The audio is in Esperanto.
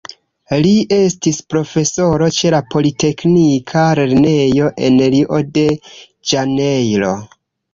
Li estis profesoro ĉe la Politeknika Lernejo en Rio-de-Ĵanejro.